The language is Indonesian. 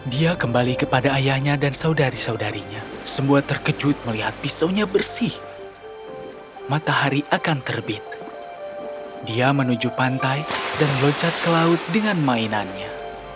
dia kembali kepada ayahnya dan saudari saudarinya semua terkejut melihat pisaunya bersih matahari akan terbit dia menuju pantai dan loncat ke laut dengan mainannya